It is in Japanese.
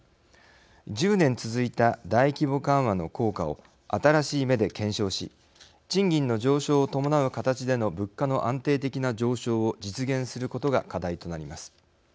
１０年続いた大規模緩和の効果を新しい目で検証し賃金の上昇を伴う形での物価の安定的な上昇を実現することが課題となります。